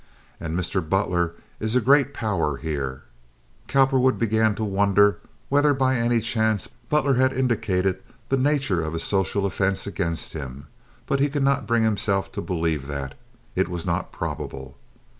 And Mr. Butler is a great power here—" (Cowperwood began to wonder whether by any chance Butler had indicated the nature of his social offense against himself, but he could not bring himself to believe that. It was not probable.)